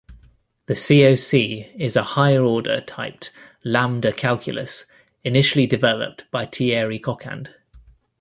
The CoC is a higher-order typed lambda calculus, initially developed by Thierry Coquand.